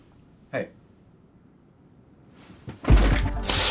はい。